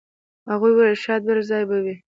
هغوی ویل شاید بل ځای به وئ.